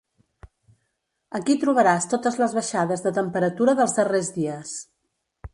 Aquí trobaràs totes les baixades de temperatura dels darrers dies.